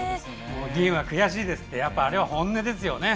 ２位で悔しいですってあれは本音ですよね。